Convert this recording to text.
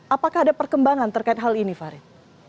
apakah ada perkembangan terkait hal ini farid